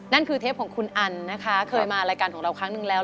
นั่นคือเทปของคุณอันนะคะเคยมารายการของเราครั้งหนึ่งแล้ว